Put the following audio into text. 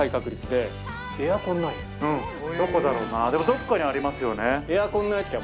でもどっかにありますよね。